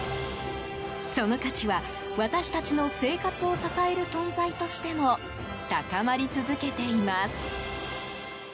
その価値は、私たちの生活を支える存在としても高まり続けています。